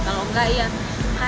kalau nggak ya kayak ada